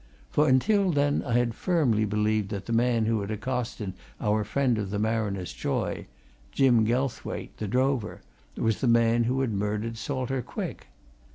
For until then I had firmly believed that the man who had accosted our friend of the Mariner's Joy, Jim Gelthwaite, the drover, was the man who had murdered Salter Quick.